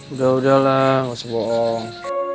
udah udahlah gak usah bohong